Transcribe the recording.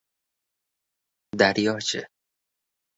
— Daryo-chi?